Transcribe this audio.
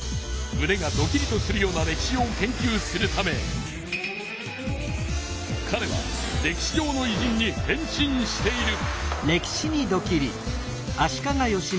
むねがドキリとするような歴史を研究するためかれは歴史上のいじんに変身している。